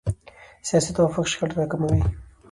سیاسي توافق شخړې راکموي